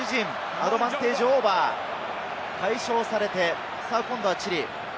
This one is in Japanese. アドバンテージオーバー、解消されて、今度はチリ。